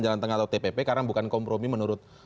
jalan tengah atau tpp karena bukan kompromi menurut